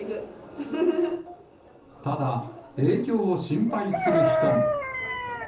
ただ、影響を心配する人も。